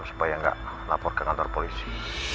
supaya nggak lapor ke kantor polisi